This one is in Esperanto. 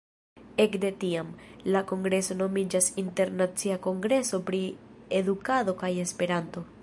Ekde tiam, la kongreso nomiĝas Internacia Kongreso pri Edukado kaj Esperanto.